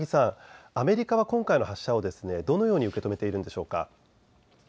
高木さん、アメリカは今回の発射をどのように受け止めているんでしょうか。